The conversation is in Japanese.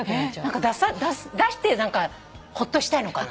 出してほっとしたいのかな？